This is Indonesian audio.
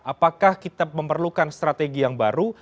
apakah kita memerlukan strategi yang baru